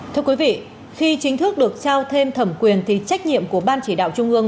thưa quý vị khi chính thức được trao thêm thẩm quyền thì trách nhiệm của ban chỉ đạo trung ương